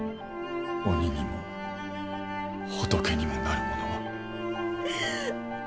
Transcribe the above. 鬼にも仏にもなる者は。